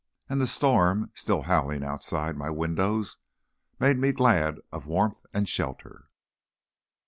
And the storm, still howling outside my windows, made me glad of warmth and shelter.